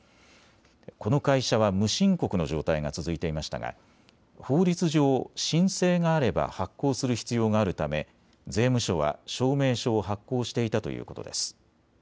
この会社は無申告の状態が続いていましたが法律上、申請があれば発行する必要があるため税務署は証明書を発行していたということです。